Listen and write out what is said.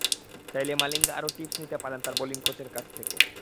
চাইলে মালিঙ্গা আরও টিপস নিতে পারেন তাঁর বোলিং কোচের কাছ থেকে।